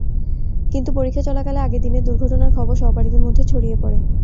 কিন্তু পরীক্ষা চলাকালে আগের দিনের দুর্ঘটনার খবর সহপাঠীদের মধ্যে ছড়িয়ে পড়ে।